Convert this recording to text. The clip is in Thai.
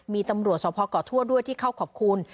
มีตำรวจสพเกาะทั่วด้วยที่เข้าขอบคุณ